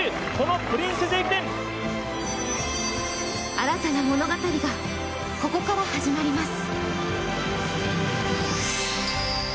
新たな物語が、ここから始まります。